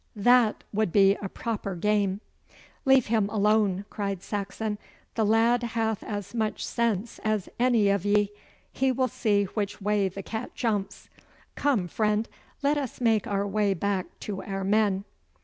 that would be a proper game.' 'Leave him alone,' cried Saxon. 'The lad hath as much sense as any of ye. He will see which way the cat jumps. Come, friend, let us make our way back to our men.